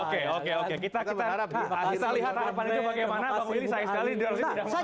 kita lihat harapan itu bagaimana